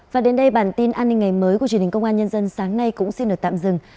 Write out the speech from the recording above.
và đến đây bản tin an ninh ngày mới của truyền hình công an nhân dân sáng nay cũng xin được tạm dừng